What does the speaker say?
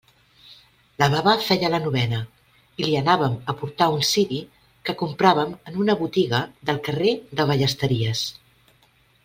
La baba feia la novena i li anàvem a portar un ciri que compràvem en una botiga del carrer de Ballesteries.